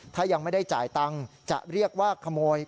ถ้ายังไม่ได้จ่ายตังค์จะเรียกว่าขโมย